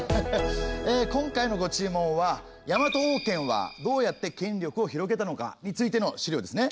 今回のご注文は「ヤマト王権はどうやって権力を広げたのか？」についての資料ですね。